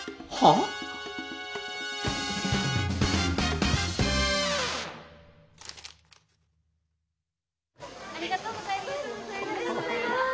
ありがとうございます。